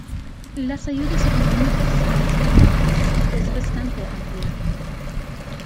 Las ayudas económicas a estudiantes es bastante amplia.